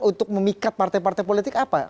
untuk memikat partai partai politik apa